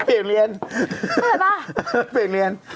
ปิดเรียนใช่ไหม